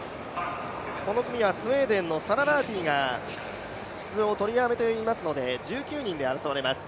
この組はスウェーデンのサラ・ラーティが出場を取りやめていますので、１９人で争われます。